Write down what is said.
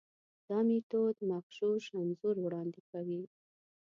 دا میتود مغشوش انځور وړاندې کوي.